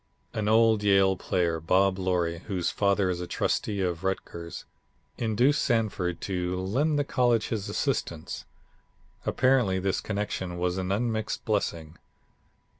An old Yale player, Bob Loree, whose father is a Trustee of Rutgers, induced Sanford to lend the college his assistance. Apparently this connection was an unmixed blessing.